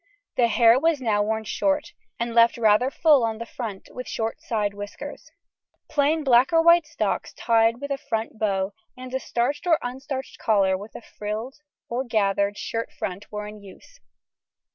The hair was now worn short, and left rather full on the front, with short side whiskers. Plain black or white stocks tied with a front bow, and a starched or unstarched collar with a frilled or gathered shirt front were in use.